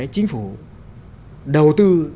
chính phủ đầu tư